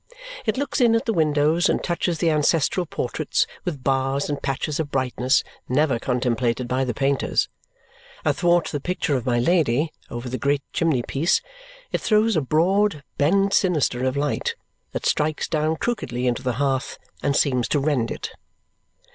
It looks in at the windows and touches the ancestral portraits with bars and patches of brightness never contemplated by the painters. Athwart the picture of my Lady, over the great chimney piece, it throws a broad bend sinister of light that strikes down crookedly into the hearth and seems to rend it.